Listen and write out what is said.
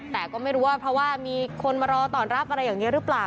แต่ก็ไม่รู้ว่าเพราะว่ามีคนมารอต้อนรับอะไรอย่างนี้หรือเปล่า